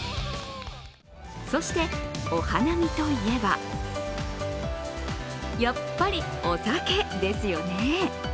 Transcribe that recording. そして、お花見といえばやっぱりお酒ですよね。